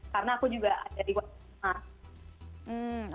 karena aku juga dari awal sesak nafas